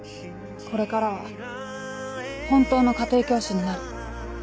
これからは本当の家庭教師になる。